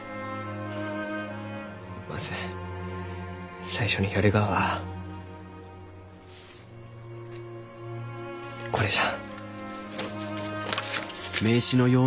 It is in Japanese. まず最初にやるがはこれじゃ。